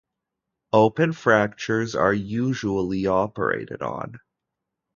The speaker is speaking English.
Open fractures are usually operated on.